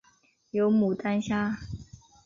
有牡丹虾